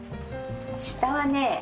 下はね